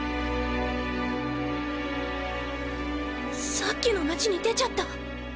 さっきの町に出ちゃった